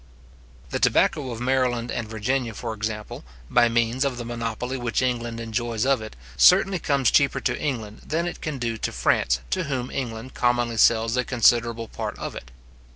The tobacco of Maryland and Virginia, for example, by means of the monopoly which England enjoys of it, certainly comes cheaper to England than it can do to France to whom England commonly sells a considerable part of it.